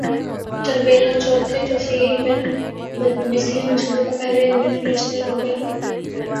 تربیلا چوتھے توسیعی پن بجلی منصوبے کا پہلا یونٹ پریشنل ہوگیا